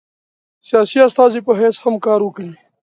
سیاسي استازي په حیث هم کار وکړي.